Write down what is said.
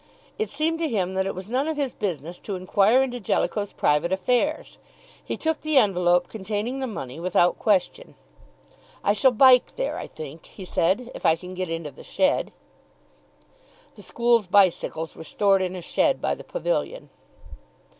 It seemed to him that it was none of his business to inquire into Jellicoe's private affairs. He took the envelope containing the money without question. "I shall bike there, I think," he said, "if I can get into the shed." The school's bicycles were stored in a shed by the pavilion.